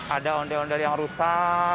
ada ondel ondel yang rusak mukanya udah pada lecet